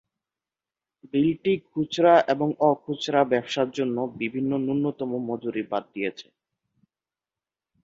বিলটি খুচরা এবং অ-খুচরা ব্যবসার জন্য বিভিন্ন ন্যূনতম মজুরি বাদ দিয়েছে।